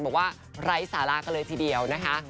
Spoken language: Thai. บอกว่าไร้สารากันเลยทีเดียวนะคะ